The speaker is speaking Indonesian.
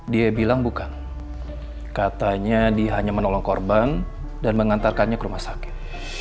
dia bilang bukan katanya dia hanya menolong korban dan mengantarkannya ke rumah sakit